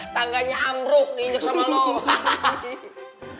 tangganya amruk nijek sama lo